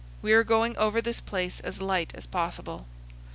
We are going over this place as light as possible.